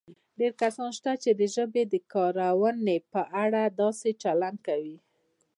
ډېر کسان شته چې د ژبې د کارونې په اړه داسې چلند کوي